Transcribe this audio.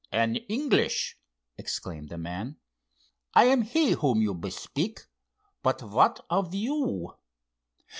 "An English!" exclaimed the man. "I am he whom you bespeak. But what of you?"